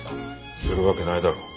するわけないだろう。